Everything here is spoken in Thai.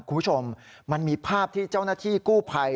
คุณผู้ชมมันมีภาพที่เจ้าหน้าที่กู้ภัย